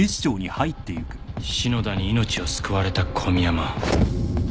篠田に命を救われた小宮山。